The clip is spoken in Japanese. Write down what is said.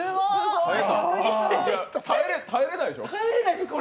耐えれないでしょ？